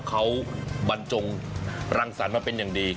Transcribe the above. เขาบรรจงรังสรรค์มาเป็นอย่างดี